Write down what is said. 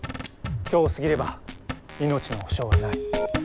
今日を過ぎれば命の保証はない。